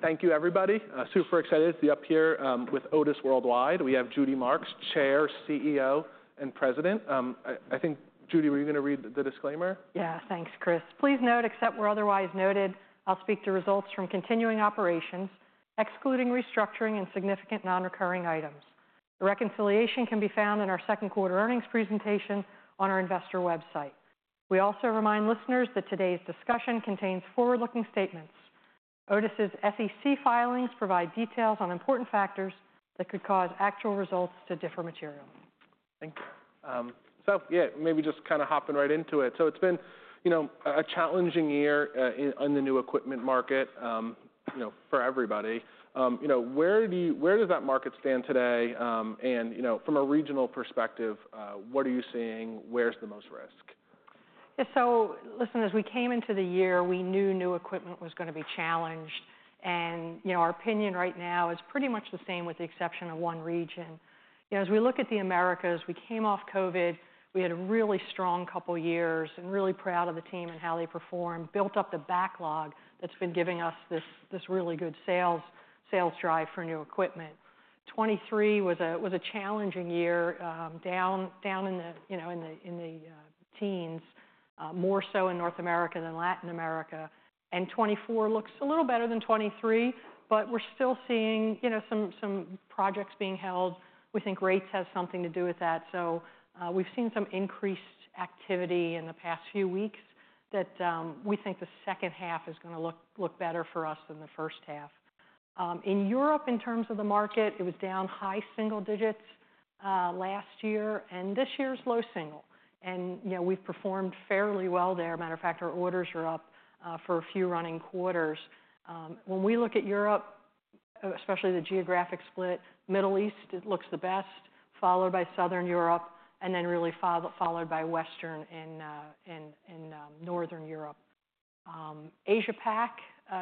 Thank you, everybody. Super excited to be up here with Otis Worldwide. We have Judy Marks, Chair, CEO, and President. I think, Judy, were you going to read the disclaimer? Yeah. Thanks, Chris. Please note, except where otherwise noted, I'll speak to results from continuing operations, excluding restructuring and significant non-recurring items. The reconciliation can be found in our second quarter earnings presentation on our investor website. We also remind listeners that today's discussion contains forward-looking statements. Otis's SEC filings provide details on important factors that could cause actual results to differ materially. Thank you. So yeah, maybe just kind of hopping right into it. So it's been, you know, a challenging year in the new equipment market, you know, for everybody. You know, where does that market stand today? And you know, from a regional perspective, what are you seeing? Where's the most risk? Yeah. So listen, as we came into the year, we knew new equipment was going to be challenged, and, you know, our opinion right now is pretty much the same, with the exception of one region. You know, as we look at the Americas, we came off COVID, we had a really strong couple of years, and really proud of the team and how they performed, built up the backlog that's been giving us this really good sales drive for new equipment. 2023 was a challenging year, down in the teens, you know, more so in North America than Latin America. And 2024 looks a little better than 2023, but we're still seeing, you know, some projects being held. We think rates have something to do with that. So, we've seen some increased activity in the past few weeks that we think the second half is going to look better for us than the first half. In Europe, in terms of the market, it was down high single digits last year, and this year is low single. And, you know, we've performed fairly well there. Matter of fact, our orders are up for a few running quarters. When we look at Europe, especially the geographic split, Middle East looks the best, followed by Southern Europe, and then really followed by Western and Northern Europe. Asia Pac,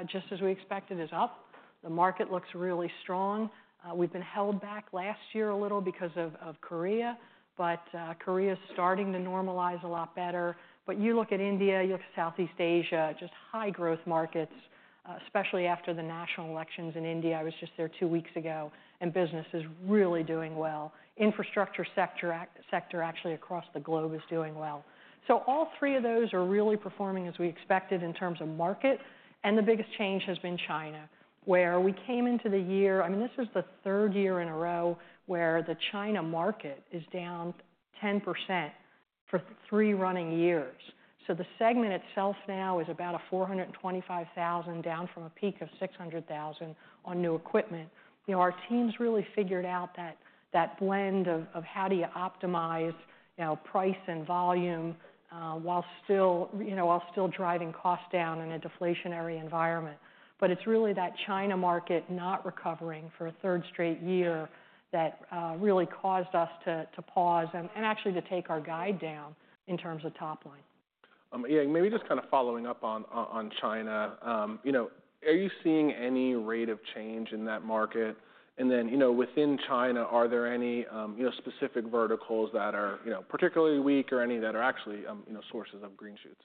just as we expected, is up. The market looks really strong. We've been held back last year a little because of Korea, but Korea is starting to normalize a lot better. But you look at India, you look at Southeast Asia, just high growth markets, especially after the national elections in India. I was just there two weeks ago, and business is really doing well. Infrastructure sector, actually, across the globe is doing well. So all three of those are really performing as we expected in terms of market, and the biggest change has been China, where we came into the year. I mean, this is the third year in a row where the China market is down 10% for three running years. So the segment itself now is about 425,000, down from a peak of 600,000 on new equipment. You know, our team's really figured out that blend of how do you optimize, you know, price and volume, while still, you know, while still driving costs down in a deflationary environment. But it's really that China market not recovering for a third straight year that really caused us to pause and actually to take our guide down in terms of top line. Yeah, maybe just kind of following up on China. You know, are you seeing any rate of change in that market? And then, you know, within China, are there any, you know, specific verticals that are, you know, particularly weak or any that are actually, you know, sources of green shoots?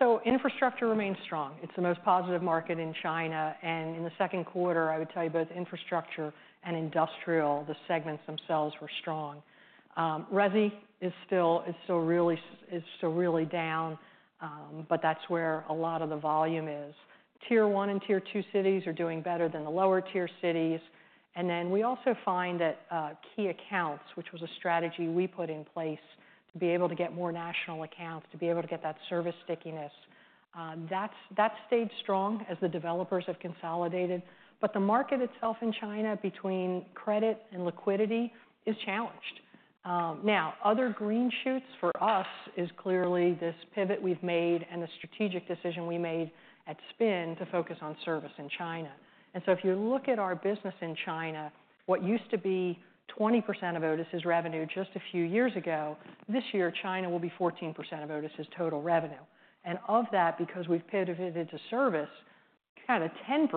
So infrastructure remains strong. It's the most positive market in China, and in the second quarter, I would tell you both infrastructure and industrial, the segments themselves were strong. Resi is still really down, but that's where a lot of the volume is. Tier 1 and Tier 2 cities are doing better than the lower-tier cities. And then we also find that key accounts, which was a strategy we put in place to be able to get more national accounts, to be able to get that service stickiness, that's stayed strong as the developers have consolidated. But the market itself in China, between credit and liquidity, is challenged. Now, other green shoots for us is clearly this pivot we've made and the strategic decision we made at spin to focus on service in China. And so if you look at our business in China, what used to be 20% of Otis's revenue just a few years ago, this year, China will be 14% of Otis's total revenue. And of that, because we've pivoted to service, kind of 10%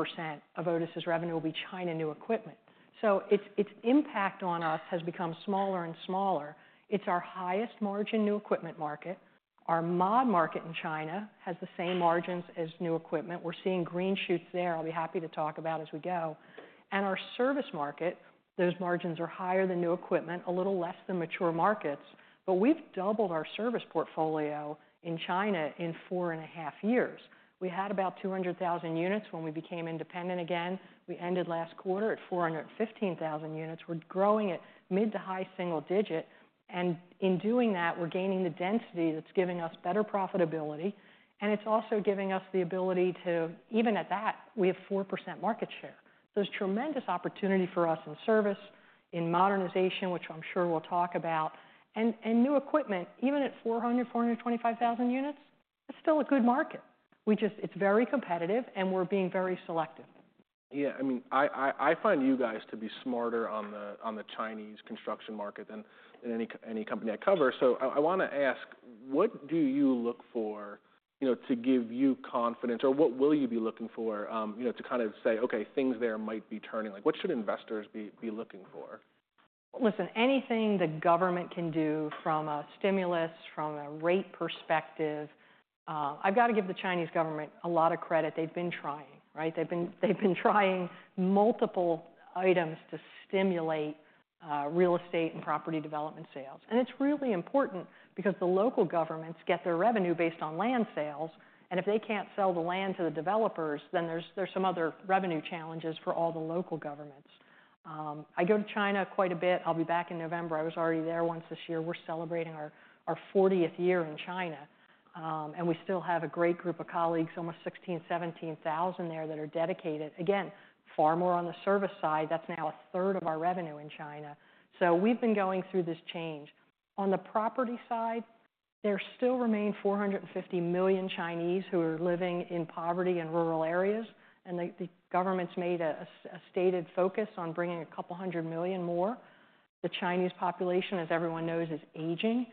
of Otis's revenue will be China new equipment. So its, its impact on us has become smaller and smaller. It's our highest margin new equipment market. Our mod market in China has the same margins as new equipment. We're seeing green shoots there, I'll be happy to talk about as we go. And our service market, those margins are higher than new equipment, a little less than mature markets, but we've doubled our service portfolio in China in four and a half years. We had about 200,000 units when we became independent again. We ended last quarter at 415,000 units. We're growing at mid-to high-single-digit, and in doing that, we're gaining the density that's giving us better profitability, and it's also giving us the ability to... Even at that, we have 4% market share. There's tremendous opportunity for us in service, in modernization, which I'm sure we'll talk about, and new equipment, even at 425,000 units, it's still a good market. We just- it's very competitive, and we're being very selective. Yeah, I mean, I find you guys to be smarter on the Chinese construction market than any company I cover. So I want to ask, what do you look for, you know, to give you confidence, or what will you be looking for, you know, to kind of say, "Okay, things there might be turning?" Like, what should investors be looking for? Listen, anything the government can do from a stimulus, from a rate perspective, I've got to give the Chinese government a lot of credit. They've been trying, right? They've been trying multiple items to stimulate real estate and property development sales. And it's really important because the local governments get their revenue based on land sales, and if they can't sell the land to the developers, then there's some other revenue challenges for all the local governments. I go to China quite a bit. I'll be back in November. I was already there once this year. We're celebrating our fortieth year in China, and we still have a great group of colleagues, almost 16000-17000 there that are dedicated. Again, far more on the service side. That's now a third of our revenue in China. So we've been going through this change. On the property side, there still remain 450 million Chinese who are living in poverty in rural areas, and the government's made a stated focus on bringing a couple hundred million more. The Chinese population, as everyone knows, is aging.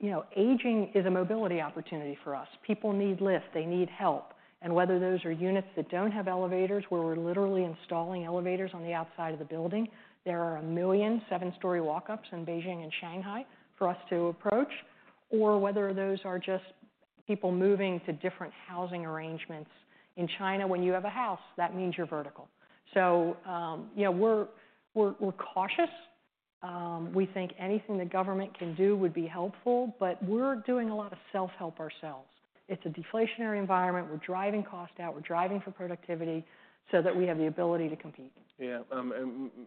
You know, aging is a mobility opportunity for us. People need lifts, they need help, and whether those are units that don't have elevators, where we're literally installing elevators on the outside of the building, there are 1 million seven-story walk-ups in Beijing and Shanghai for us to approach, or whether those are just people moving to different housing arrangements. In China, when you have a house, that means you're vertical. So, yeah, we're cautious. We think anything the government can do would be helpful, but we're doing a lot of self-help ourselves. It's a deflationary environment. We're driving cost out, we're driving for productivity so that we have the ability to compete. Yeah.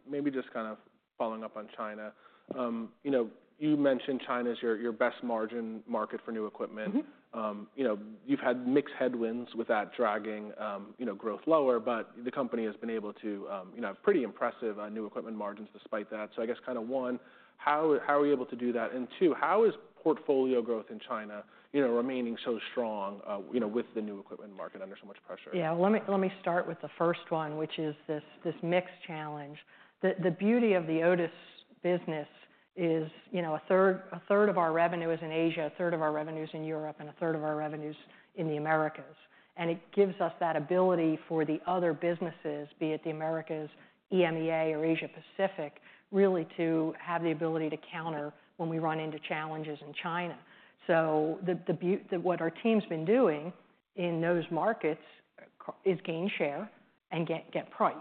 Maybe just kind of following up on China. You know, you mentioned China's your best margin market for new equipment. Mm-hmm. You know, you've had mixed headwinds with that dragging, you know, growth lower, but the company has been able to, you know, have pretty impressive, new equipment margins despite that. So I guess kind of, one, how are we able to do that? And two, how is portfolio growth in China, you know, remaining so strong, you know, with the new equipment market under so much pressure? Yeah. Let me start with the first one, which is this mixed challenge. The beauty of the Otis business is, you know, a third of our revenue is in Asia, a third of our revenue's in Europe, and a third of our revenue's in the Americas, and it gives us that ability for the other businesses, be it the Americas, EMEA, or Asia Pacific, really to have the ability to counter when we run into challenges in China. So what our team's been doing in those markets is gain share and get price.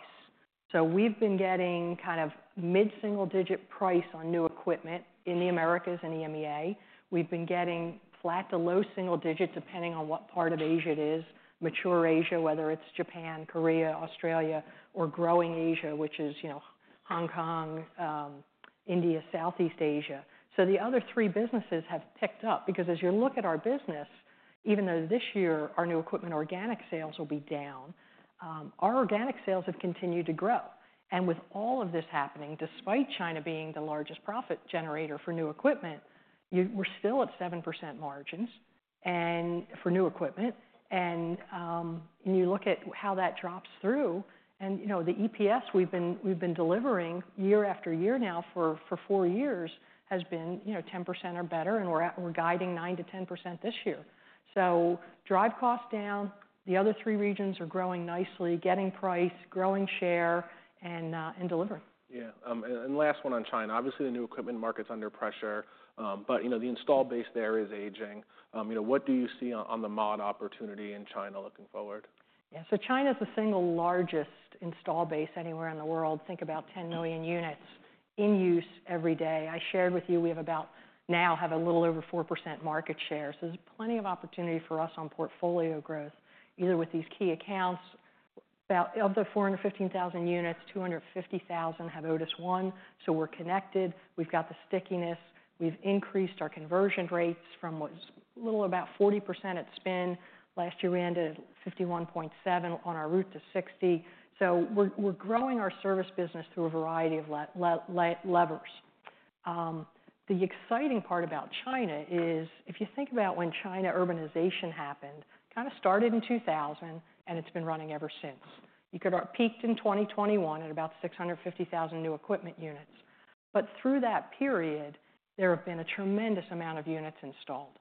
So we've been getting kind of mid-single-digit price on new equipment in the Americas and EMEA. We've been getting flat to low-single-digits, depending on what part of Asia it is, mature Asia, whether it's Japan, Korea, Australia, or growing Asia, which is, you know, Hong Kong, India, Southeast Asia. So the other three businesses have ticked up because as you look at our business, even though this year our new equipment organic sales will be down, our organic sales have continued to grow. And with all of this happening, despite China being the largest profit generator for new equipment, we're still at 7% margins for new equipment, and when you look at how that drops through and, you know, the EPS we've been delivering year after year now for four years has been, you know, 10% or better, and we're guiding 9%-10% this year. So drive costs down. The other three regions are growing nicely, getting price, growing share, and delivering. Yeah. And last one on China. Obviously, the new equipment market's under pressure, but you know, the installed base there is aging. You know, what do you see on the mod opportunity in China looking forward? Yeah. So China's the single largest installed base anywhere in the world. Think about 10 million units in use every day. I shared with you, we have about now a little over 4% market share. So there's plenty of opportunity for us on portfolio growth, either with these key accounts, about of the 415,000 units, 250,000 have Otis ONE, so we're connected. We've got the stickiness. We've increased our conversion rates from what is a little about 40% at spin. Last year, we ended at 51.7% on our route to 60%. So we're growing our service business through a variety of levers. The exciting part about China is, if you think about when China urbanization happened, kind of started in 2000, and it's been running ever since. It peaked in 2021 at about 650,000 new equipment units. But through that period, there have been a tremendous amount of units installed.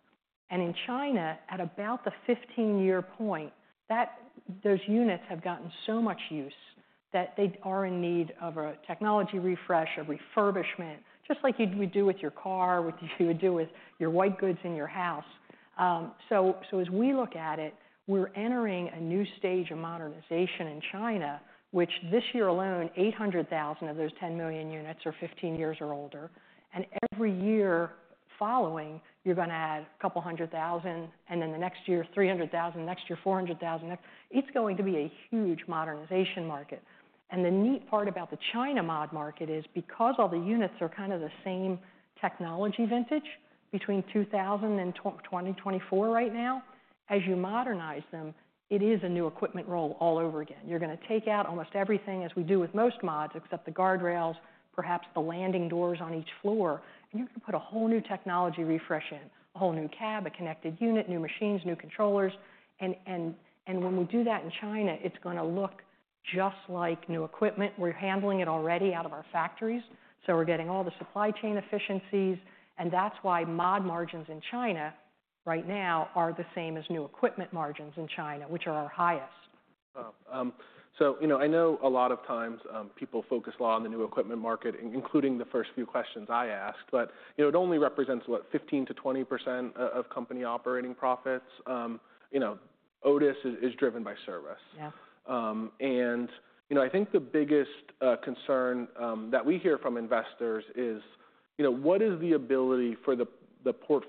And in China, at about the 15-year point, those units have gotten so much use that they are in need of a technology refresh, a refurbishment, just like you'd do with your car, which you would do with your white goods in your house. So as we look at it, we're entering a new stage of modernization in China, which this year alone, 800,000 of those 10 million units are 15 years or older, and every year following, you're gonna add a couple hundred thousand, and then the next year, 300,000, next year, 400,000. It's going to be a huge modernization market. The neat part about the China mod market is because all the units are kind of the same technology vintage, between 2000 and 2024 right now. As you modernize them, it is a new equipment roll all over again. You're gonna take out almost everything as we do with most mods, except the guide rails, perhaps the landing doors on each floor. You can put a whole new technology refresh in, a whole new cab, a connected unit, new machines, new controllers, and when we do that in China, it's gonna look just like new equipment. We're handling it already out of our factories, so we're getting all the supply chain efficiencies, and that's why mod margins in China right now are the same as new equipment margins in China, which are our highest. Oh, so, you know, I know a lot of times, people focus a lot on the new equipment market, including the first few questions I asked. But, you know, it only represents, what? 15%-20% of company operating profits. You know, Otis is driven by service. Yeah. And, you know, I think the biggest concern that we hear from investors is, you know, what is the ability for the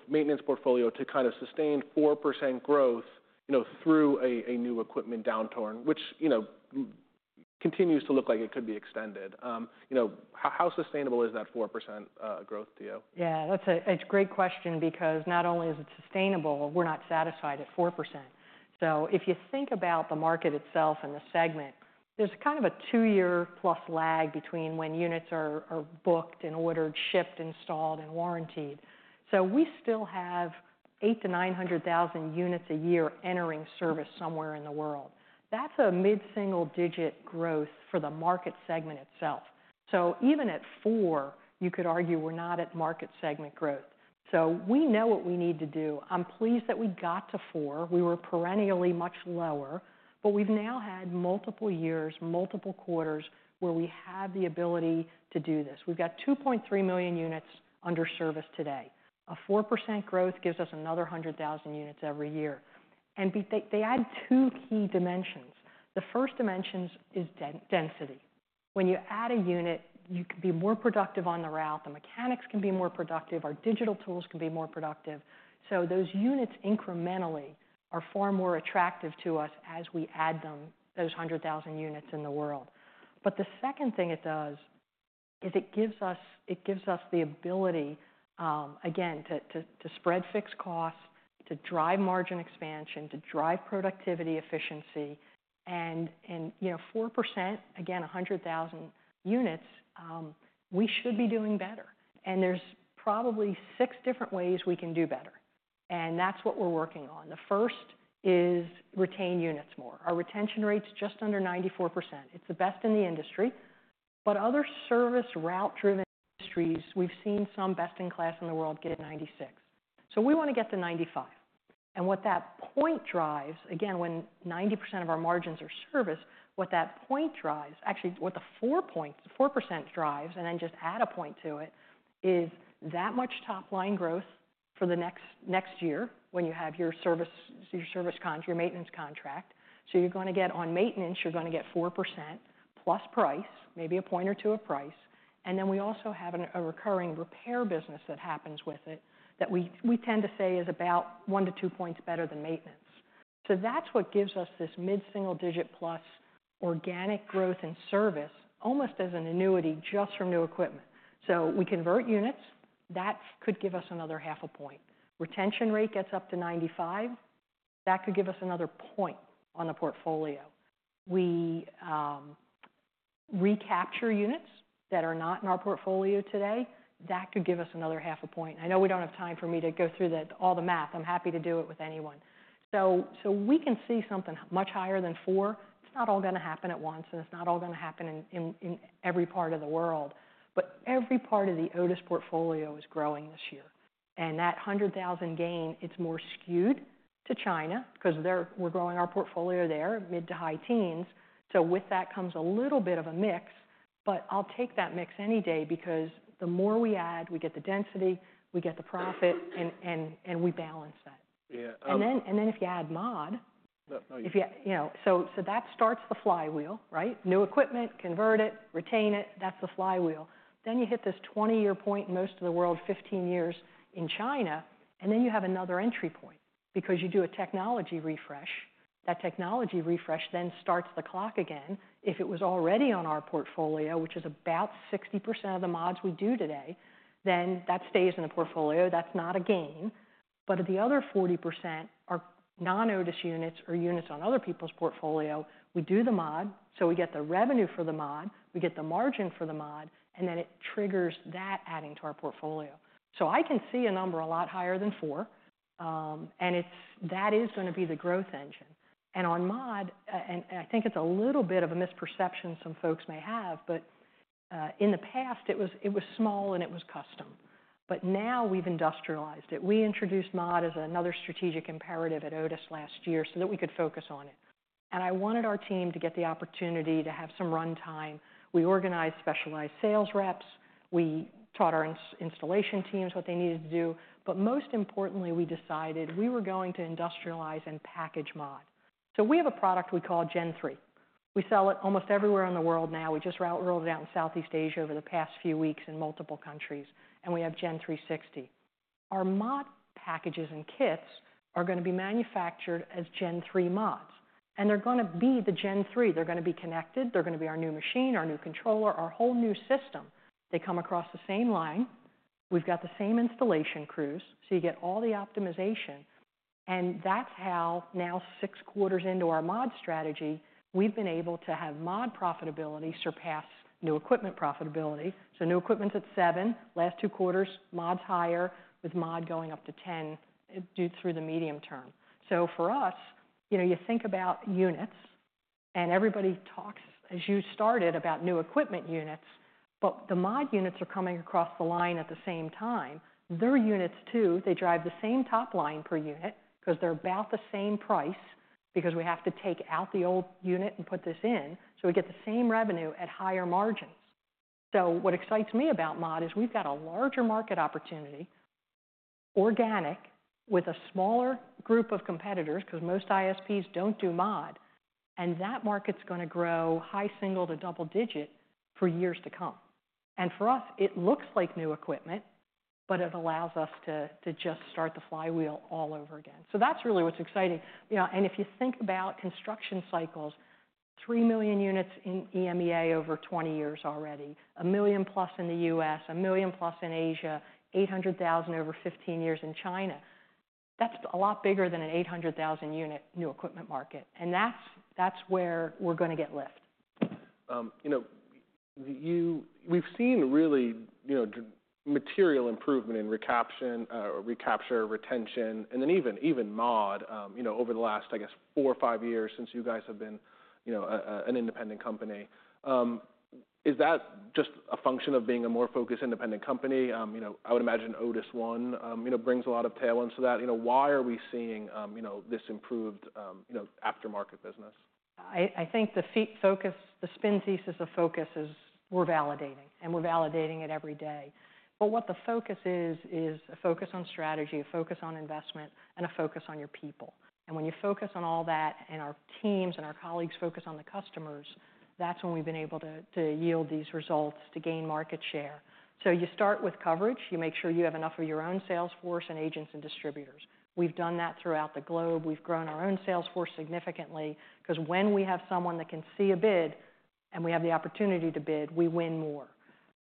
maintenance portfolio to kind of sustain 4% growth, you know, through a new equipment downturn, which, you know, continues to look like it could be extended? You know, how sustainable is that 4% growth to you? Yeah, that's a great question because not only is it sustainable, we're not satisfied at 4%. So if you think about the market itself and the segment, there's kind of a two-year-plus lag between when units are booked and ordered, shipped, installed, and warrantied. So we still have 800,000-900,000 units a year entering service somewhere in the world. That's a mid-single-digit growth for the market segment itself. So even at 4, you could argue we're not at market segment growth. So we know what we need to do. I'm pleased that we got to 4. We were perennially much lower, but we've now had multiple years, multiple quarters, where we have the ability to do this. We've got 2.3 million units under service today. A 4% growth gives us another 100,000 units every year, and they add two key dimensions. The first dimension is density. When you add a unit, you can be more productive on the route, the mechanics can be more productive, our digital tools can be more productive. So those units incrementally are far more attractive to us as we add them, those 100,000 units in the world. But the second thing it does is it gives us the ability, again, to spread fixed costs, to drive margin expansion, to drive productivity, efficiency, and, you know, 4%, again, 100,000 units, we should be doing better. And there's probably six different ways we can do better, and that's what we're working on. The first is retain units more. Our retention rate's just under 94%. It's the best in the industry, but other service route-driven industries, we've seen some best-in-class in the world get 96%. So we wanna get to 95%. And what that point drives. Again, when 90% of our margins are service, what that point drives. Actually, what the four points, the 4% drives, and then just add a point to it, is that much top-line growth for the next, next year when you have your service, your maintenance contract. So you're gonna get, on maintenance, you're gonna get 4% plus price, maybe a point or two of price, and then we also have a recurring repair business that happens with it, that we tend to say is about one to two points better than maintenance. So that's what gives us this mid-single digit plus organic growth in service, almost as an annuity, just from new equipment. So we convert units, that could give us another half a point. Retention rate gets up to 95%, that could give us another point on the portfolio. We recapture units that are not in our portfolio today, that could give us another half a point. I know we don't have time for me to go through all the math. I'm happy to do it with anyone. So we can see something much higher than four. It's not all gonna happen at once, and it's not all gonna happen in every part of the world, but every part of the Otis portfolio is growing this year. That hundred thousand gain, it's more skewed to China, 'cause we're growing our portfolio there, mid- to high-teens. So with that comes a little bit of a mix, but I'll take that mix any day because the more we add, we get the density, we get the profit, and we balance that. Yeah, um. And then if you add mod- Yeah. If you, you know, so that starts the flywheel, right? New equipment, convert it, retain it, that's the flywheel. Then you hit this 20-year point, most of the world, 15 years in China, and then you have another entry point because you do a technology refresh. That technology refresh then starts the clock again. If it was already on our portfolio, which is about 60% of the mods we do today, then that stays in the portfolio. That's not a gain. But if the other 40% are non-Otis units or units on other people's portfolio, we do the mod, so we get the revenue for the mod, we get the margin for the mod, and then it triggers that adding to our portfolio. So I can see a number a lot higher than four, and it's that is gonna be the growth engine. On mod, and I think it's a little bit of a misperception some folks may have, but in the past, it was small and it was custom, but now we've industrialized it. We introduced mod as another strategic imperative at Otis last year so that we could focus on it, and I wanted our team to get the opportunity to have some runtime. We organized specialized sales reps, we taught our installation teams what they needed to do, but most importantly, we decided we were going to industrialize and package mod. So we have a product we call Gen3. We sell it almost everywhere in the world now. We just rolled it out in Southeast Asia over the past few weeks in multiple countries, and we have Gen360. Our mod packages and kits are gonna be manufactured as Gen3 mods, and they're gonna be the Gen3. They're gonna be connected, they're gonna be our new machine, our new controller, our whole new system. They come across the same line. We've got the same installation crews, so you get all the optimization, and that's how now, six quarters into our mod strategy, we've been able to have mod profitability surpass new equipment profitability. New equipment's at 7%. Last two quarters, mod's higher, with mod going up to 10% due through the medium term. For us, you know, you think about units, and everybody talks, as you started, about new equipment units, but the mod units are coming across the line at the same time. Their units, too, they drive the same top line per unit, because they're about the same price, because we have to take out the old unit and put this in, so we get the same revenue at higher margins. So what excites me about mod, is we've got a larger market opportunity, organic, with a smaller group of competitors, because most ISPs don't do mod, and that market's going to grow high single- to double-digit for years to come. And for us, it looks like new equipment, but it allows us to just start the flywheel all over again. So that's really what's exciting. You know, and if you think about construction cycles, three million units in EMEA over 20 years already, a million plus in the U.S., a million plus in Asia, 800,000 over 15 years in China. That's a lot bigger than an 800,000-unit new equipment market, and that's, that's where we're gonna get lift. You know, we've seen really, you know, material improvement in recapture, retention, and then even, even mod, you know, over the last, I guess, four or five years since you guys have been, you know, a, a, an independent company. Is that just a function of being a more focused, independent company? You know, I would imagine Otis ONE, you know, brings a lot of tailwinds to that. You know, why are we seeing, you know, this improved, you know, aftermarket business? I think the key focus, the spin thesis of focus is we're validating, and we're validating it every day, but what the focus is, is a focus on strategy, a focus on investment, and a focus on your people, and when you focus on all that, and our teams and our colleagues focus on the customers, that's when we've been able to yield these results to gain market share, so you start with coverage. You make sure you have enough of your own sales force and agents and distributors. We've done that throughout the globe. We've grown our own sales force significantly, because when we have someone that can see a bid, and we have the opportunity to bid, we win more.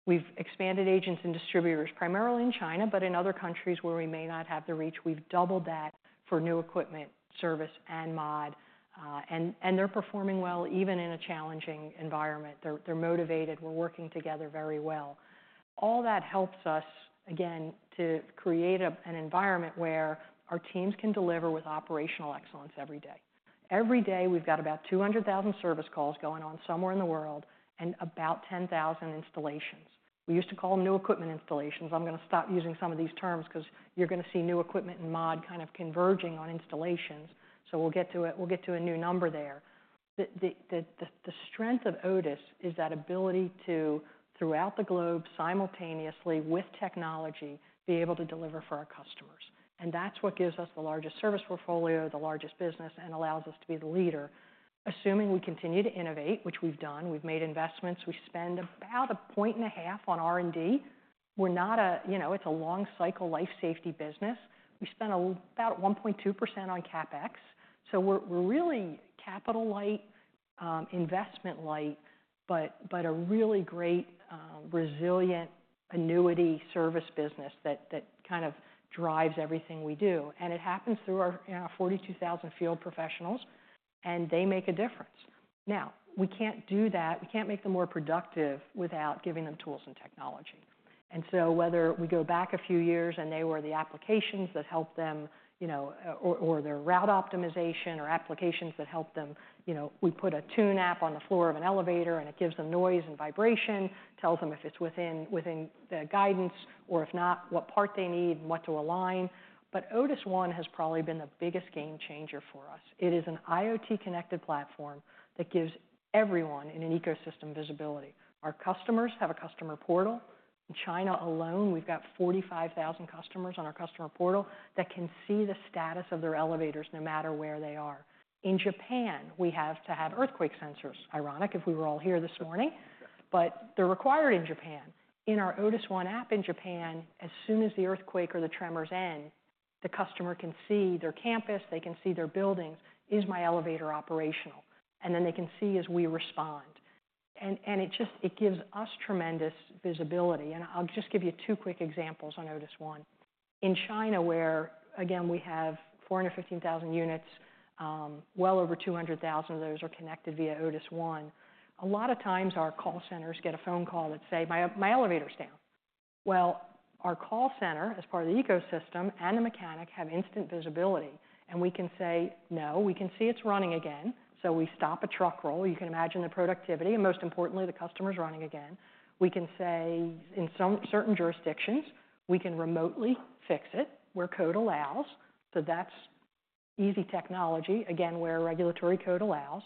We've expanded agents and distributors, primarily in China, but in other countries where we may not have the reach, we've doubled that for new equipment, service, and mod, and they're performing well, even in a challenging environment. They're motivated. We're working together very well. All that helps us, again, to create an environment where our teams can deliver with operational excellence every day. Every day, we've got about 200,000 service calls going on somewhere in the world, and about 10,000 installations. We used to call them new equipment installations. I'm gonna stop using some of these terms, because you're gonna see new equipment and mod kind of converging on installations, so we'll get to a new number there. The strength of Otis is that ability to, throughout the globe, simultaneously, with technology, be able to deliver for our customers. And that's what gives us the largest service portfolio, the largest business, and allows us to be the leader, assuming we continue to innovate, which we've done. We've made investments. We spend about 1.5% on R&D. We're not a. You know, it's a long cycle, life safety business. We spend about 1.2% on CapEx, so we're really capital-light, investment-light, but a really great resilient annuity service business that kind of drives everything we do. And it happens through our, you know, 42,000 field professionals, and they make a difference. Now, we can't do that, we can't make them more productive without giving them tools and technology. And so whether we go back a few years, and they were the applications that helped them, you know, or their route optimization, or applications that helped them. You know, we put a Tune app on the floor of an elevator, and it gives them noise and vibration, tells them if it's within the guidance, or if not, what part they need and what to align. But Otis ONE has probably been the biggest game changer for us. It is an IoT-connected platform that gives everyone in an ecosystem visibility. Our customers have a customer portal. In China alone, we've got 45,000 customers on our customer portal that can see the status of their elevators no matter where they are. In Japan, we have to have earthquake sensors. Ironic, if we were all here this morning, but they're required in Japan. In our Otis ONE app in Japan, as soon as the earthquake or the tremors end, the customer can see their campus, they can see their buildings: "Is my elevator operational?" And then they can see as we respond. And it just gives us tremendous visibility, and I'll just give you two quick examples on Otis ONE. In China, where, again, we have 415,000 units, well over 200,000 of those are connected via Otis ONE, a lot of times our call centers get a phone call that say, "My elevator is down." Well, our call center, as part of the ecosystem, and the mechanic, have instant visibility, and we can say, "No, we can see it's running again." So we stop a truck roll. You can imagine the productivity, and most importantly, the customer's running again. We can say in some certain jurisdictions, we can remotely fix it where code allows, so that's easy technology, again, where regulatory code allows.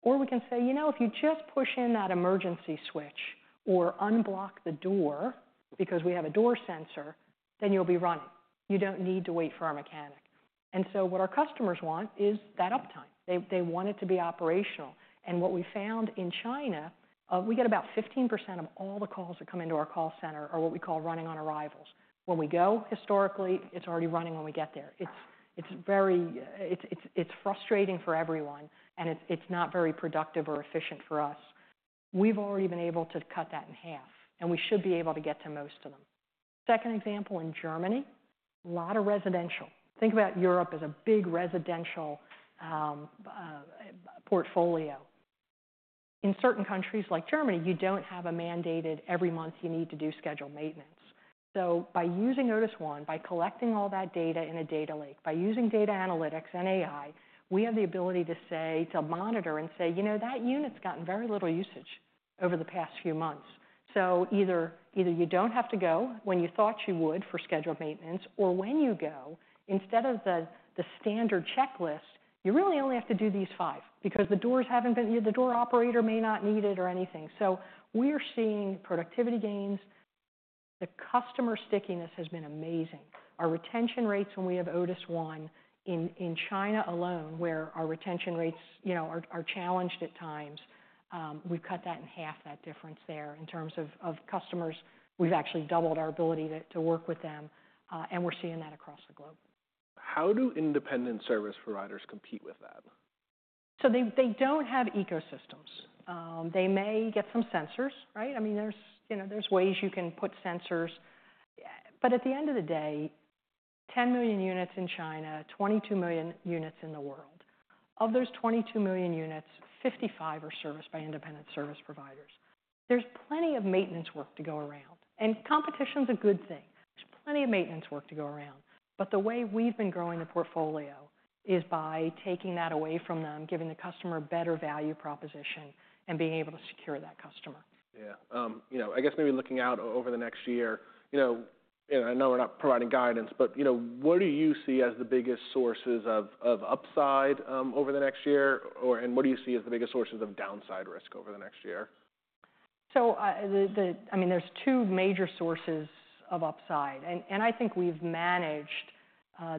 Or we can say, "You know, if you just push in that emergency switch or unblock the door," because we have a door sensor, "then you'll be running. You don't need to wait for our mechanic." And so what our customers want is that uptime. They, they want it to be operational, and what we found in China, we get about 15% of all the calls that come into our call center are what we call running-on-arrivals. When we go, historically, it's already running when we get there. It's very frustrating for everyone, and it's not very productive or efficient for us. We've already been able to cut that in half, and we should be able to get to most of them. Second example, in Germany, a lot of residential. Think about Europe as a big residential portfolio. In certain countries like Germany, you don't have a mandated every month you need to do scheduled maintenance. So by using Otis ONE, by collecting all that data in a data lake, by using data analytics and AI, we have the ability to say, to monitor and say, "You know, that unit's gotten very little usage over the past few months." So either you don't have to go when you thought you would for scheduled maintenance, or when you go, instead of the standard checklist, you really only have to do these five because the doors haven't been, the door operator may not need it or anything. So we are seeing productivity gains. The customer stickiness has been amazing. Our retention rates when we have Otis ONE in China alone, where our retention rates, you know, are challenged at times, we've cut that in half, that difference there. In terms of customers, we've actually doubled our ability to work with them, and we're seeing that across the globe. How do independent service providers compete with that? So they don't have ecosystems. They may get some sensors, right? I mean, you know, there's ways you can put sensors, but at the end of the day, 10 million units in China, 22 million units in the world. Of those 22 million units, 55% are serviced by independent service providers. There's plenty of maintenance work to go around, and competition's a good thing. There's plenty of maintenance work to go around, but the way we've been growing the portfolio is by taking that away from them, giving the customer a better value proposition, and being able to secure that customer. Yeah, you know, I guess maybe looking out over the next year, you know, and I know we're not providing guidance, but, you know, what do you see as the biggest sources of upside over the next year, or and what do you see as the biggest sources of downside risk over the next year? I mean, there's two major sources of upside, and I think we've managed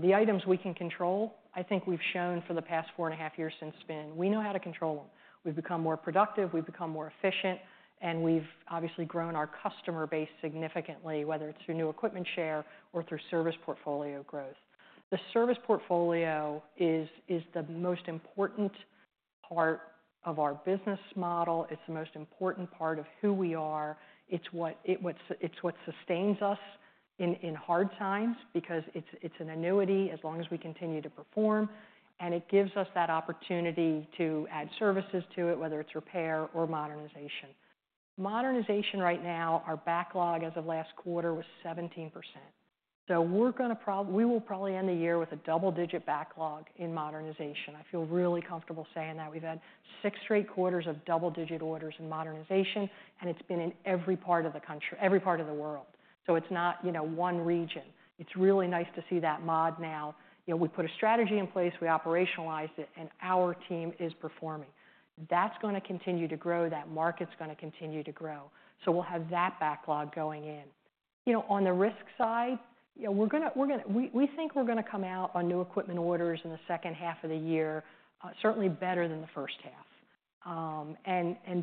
the items we can control. I think we've shown for the past four and a half years since spin, we know how to control them. We've become more productive, we've become more efficient, and we've obviously grown our customer base significantly, whether it's through new equipment share or through service portfolio growth. The service portfolio is the most important part of our business model. It's the most important part of who we are. It's what sustains us in hard times because it's an annuity as long as we continue to perform, and it gives us that opportunity to add services to it, whether it's repair or modernization. Modernization right now, our backlog as of last quarter was 17%. So we will probably end the year with a double-digit backlog in modernization. I feel really comfortable saying that. We've had six straight quarters of double-digit orders in modernization, and it's been in every part of the country, every part of the world, so it's not, you know, one region. It's really nice to see that mod now. You know, we put a strategy in place, we operationalized it, and our team is performing. That's gonna continue to grow. That market's gonna continue to grow, so we'll have that backlog going in. You know, on the risk side, you know, we think we're gonna come out on new equipment orders in the second half of the year, certainly better than the first half.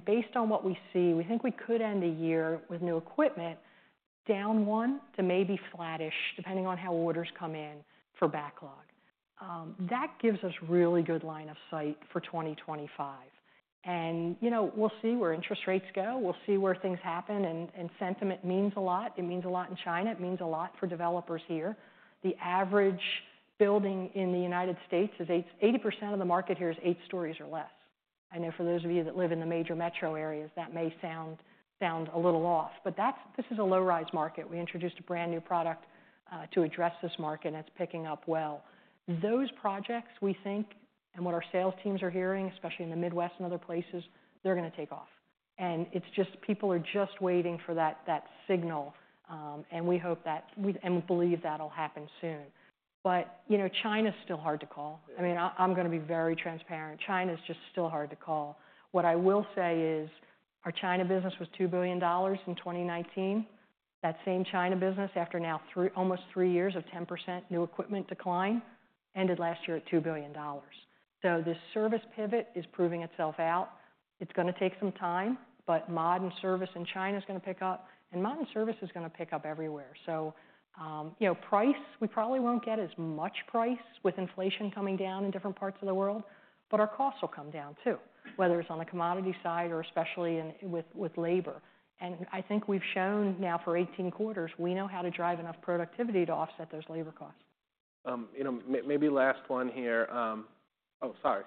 Based on what we see, we think we could end the year with new equipment down one to maybe flattish, depending on how orders come in for backlog. That gives us really good line of sight for 2025. You know, we'll see where interest rates go, we'll see where things happen, and sentiment means a lot. It means a lot in China. It means a lot for developers here. Eighty percent of the market here is eight stories or less. I know for those of you that live in the major metro areas, that may sound a little off, but this is a low-rise market. We introduced a brand-new product to address this market, and it's picking up well. Those projects, we think, and what our sales teams are hearing, especially in the Midwest and other places, they're gonna take off, and it's just people are just waiting for that, that signal, and we hope that, and we believe that'll happen soon. But, you know, China's still hard to call. I mean, I'm gonna be very transparent. China's just still hard to call. What I will say is our China business was $2 billion in 2019. That same China business, after now almost three years of 10% new equipment decline, ended last year at $2 billion. So this service pivot is proving itself out. It's gonna take some time, but mod and service in China is gonna pick up, and mod and service is gonna pick up everywhere. You know, price, we probably won't get as much price with inflation coming down in different parts of the world, but our costs will come down too, whether it's on the commodity side or especially with labor. I think we've shown now for 18 quarters we know how to drive enough productivity to offset those labor costs. You know, maybe last one here. Oh, sorry.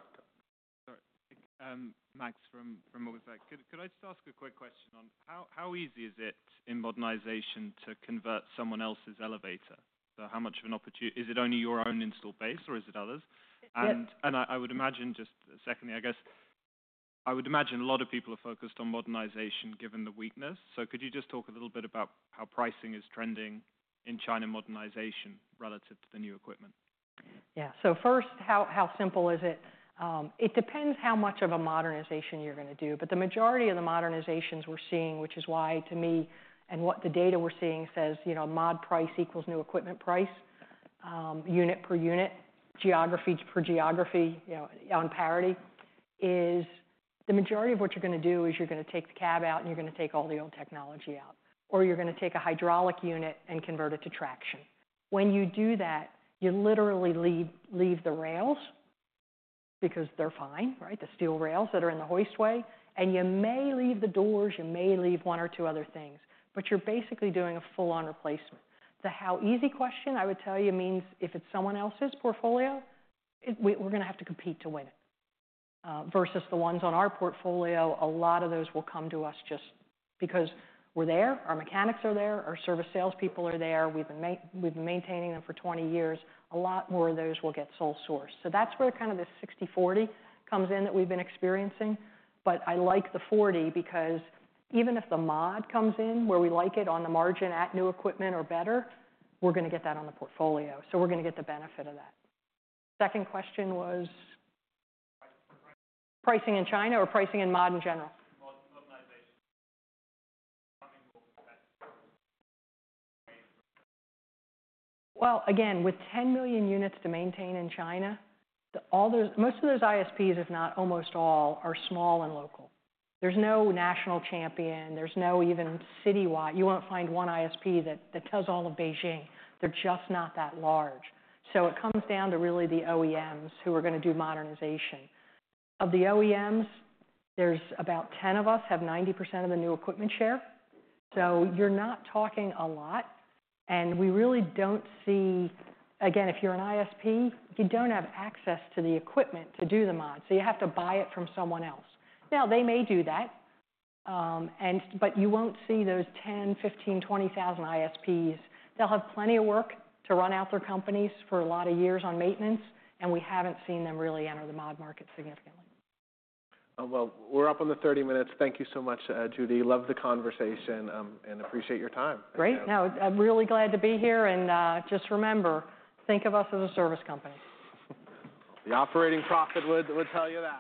Sorry. Max from Morgan Stanley. Could I just ask a quick question on how easy is it in modernization to convert someone else's elevator? So how much of an opportunity is it only your own install base, or is it others? I would imagine just secondly, I guess, a lot of people are focused on modernization, given the weakness. So could you just talk a little bit about how pricing is trending in China modernization relative to the new equipment? Yeah. So first, how simple is it? It depends how much of a modernization you're gonna do, but the majority of the modernizations we're seeing, which is why, to me, and what the data we're seeing says, you know, mod price equals new equipment price, unit per unit, geography per geography, you know, on parity, is the majority of what you're gonna do is you're gonna take the cab out, and you're gonna take all the old technology out, or you're gonna take a hydraulic unit and convert it to traction. When you do that, you literally leave the rails because they're fine, right? The steel rails that are in the hoistway, and you may leave the doors, you may leave one or two other things, but you're basically doing a full-on replacement. The how easy question, I would tell you, means if it's someone else's portfolio, it. We're gonna have to compete to win it. Versus the ones on our portfolio, a lot of those will come to us just because we're there, our mechanics are there, our service salespeople are there, we've been maintaining them for 20 years. A lot more of those will get sole sourced. So that's where kind of this 60/40 comes in that we've been experiencing, but I like the 40 because even if the mod comes in, where we like it on the margin at new equipment or better, we're gonna get that on the portfolio, so we're gonna get the benefit of that. Second question was? Price, price. Pricing in China or pricing in mod in general? Mod, modernization. Again, with 10 million units to maintain in China, most of those ISPs, if not almost all, are small and local. There's no national champion, there's no even citywide. You won't find one ISP that does all of Beijing. They're just not that large. So it comes down to really the OEMs who are gonna do modernization. Of the OEMs, there's about 10 of us, have 90% of the new equipment share, so you're not talking a lot, and we really don't see. Again, if you're an ISP, you don't have access to the equipment to do the mod, so you have to buy it from someone else. Now, they may do that, and but you won't see those 10, 15, 20 thousand ISPs. They'll have plenty of work to run out their companies for a lot of years on maintenance, and we haven't seen them really enter the mod market significantly. We're up on the 30 minutes. Thank you so much, Judy. Loved the conversation, and appreciate your time. Great! No, I'm really glad to be here, and, just remember, think of us as a service company. The operating profit would tell you that.